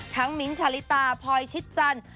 ทั้งมิ้นชาลิตาพอยชิดจันทร์